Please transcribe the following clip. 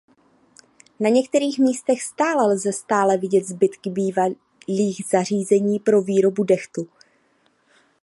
Na některých místech stále lze stále vidět zbytky bývalých zařízení pro výrobu dehtu.